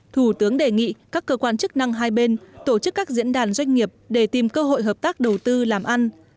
thủ tướng đề nghị các cơ quan chức năng hai bên tổ chức các diễn đàn doanh nghiệp để tìm cơ hội hợp tác đầu tư làm ăn